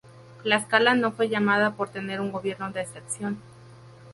Tlaxcala no fue llamada por tener un gobierno de excepción.